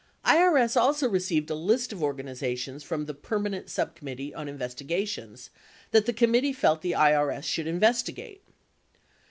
59 IRS also received a list of organizations from the Permanent Subcommittee on Investigations that the committee felt the IRS should investigate.